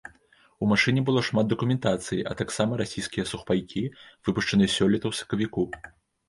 У машыне было шмат дакументацыі а таксама расійскія сухпайкі, выпушчаныя сёлета ў сакавіку.